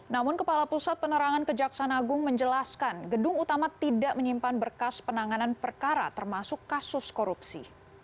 namun kepala pusat penerangan kejaksaan agung menjelaskan gedung utama tidak menyimpan berkas penanganan perkara termasuk kasus korupsi